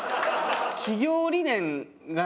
企業理念がね